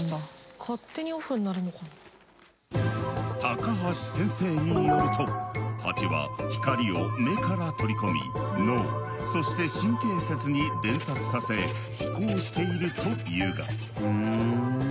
高橋先生によるとハチは光を目から取り込み脳そして神経節に伝達させ飛行しているというが。